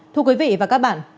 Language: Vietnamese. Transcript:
thưa quý vị và các bạn